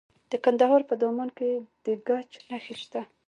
د کندهار په دامان کې د ګچ نښې شته.